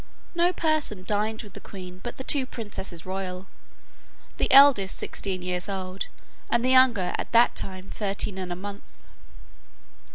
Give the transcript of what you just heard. No person dined with the queen but the two princesses royal, the eldest sixteen years old, and the younger at that time thirteen and a month.